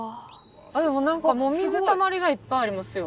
でもなんかもう水たまりがいっぱいありますよ。